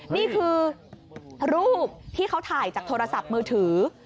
นี่คือรูปที่เขาถ่ายจากโทรศัพท์มือถือ